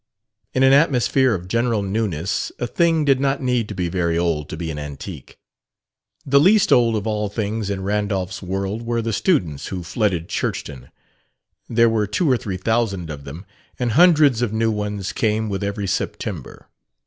In an atmosphere of general newness a thing did not need to be very old to be an antique. The least old of all things in Randolph's world were the students who flooded Churchton. There were two or three thousand of them, and hundreds of new ones came with every September.